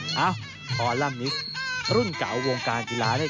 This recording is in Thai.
เอ้าคอลัมนิกส์รุ่นเก่าวงการกีฬานี่